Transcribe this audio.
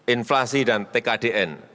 inflasi dan tkdn